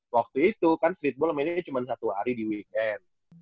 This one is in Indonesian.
waktu itu kan streetball mainnya cuma satu hari di weekend